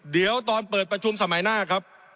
เดี๋ยวตอนเปิดประชุมสมัยหน้าครับ